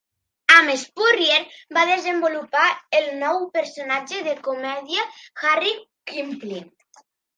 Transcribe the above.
Amb Spurrier va desenvolupar el nou personatge de comèdia "Harry Kipling".